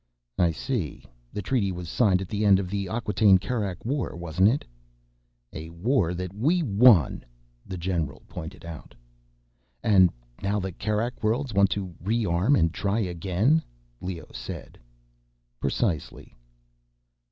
"I see. The treaty was signed at the end of the Acquataine Kerak war, wasn't it?" "A war that we won," the general pointed out. "And now the Kerak Worlds want to rearm and try again," Leoh said. "Precisely."